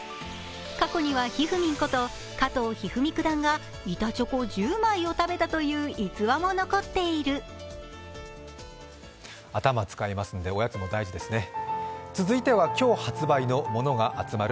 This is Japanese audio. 過去には、ひふみんこと加藤一二三九段が板チョコ１０枚を食べたという逸話も残っている。